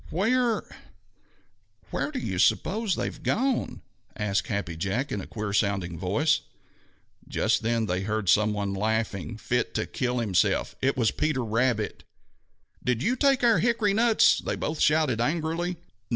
"Where where do you suppose they have gone?" asked Happy Jack in a queer sounding voice. Just then they heard some one laughing fit to kill himself. It was Peter Rabbit. "Did you take our hickory nuts?" they both shouted angrily.